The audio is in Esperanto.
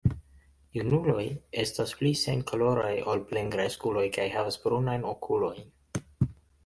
Junuloj estas pli senkoloraj ol plenkreskuloj kaj havas brunajn okulojn.